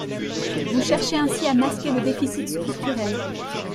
Vous cherchez ainsi à masquer le déficit structurel.